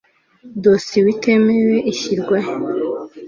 dosiye itemewe ishyirwa he